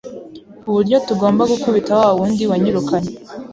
uburyo tugomba gukubita wa wundi wanyirukanye,